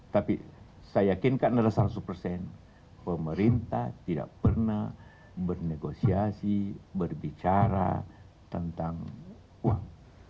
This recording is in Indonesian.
tapi saya yakinkan adalah seratus persen pemerintah tidak pernah bernegosiasi berbicara tentang uang